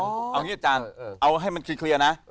เอางี้อาจารย์เอาให้มันเคลียร์นะ